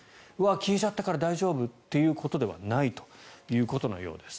消えちゃったから大丈夫ということではないということのようです。